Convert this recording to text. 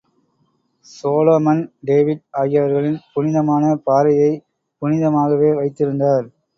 Solomon David ஆகியவர்களின் புனிதமான பாறையைப் புனிதமாகவே வைத்திருந்தார்.